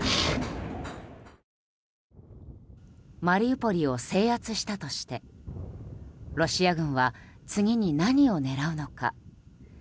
マリウポリを制圧したとしてロシア軍は次に何を狙うのか。